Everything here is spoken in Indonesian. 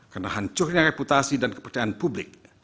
karena hancurnya reputasi dan kepercayaan publik